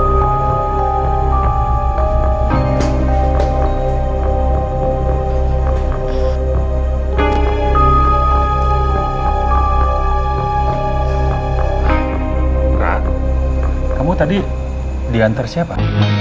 mbak kamu tadi diantar siapa